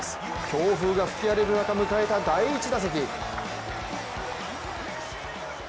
強風が吹き荒れる中迎えた第１打席。